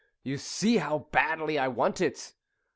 "You see how badly I want it.